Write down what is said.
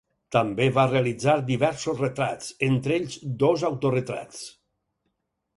També va realitzar diversos retrats, entre ells dos autoretrats.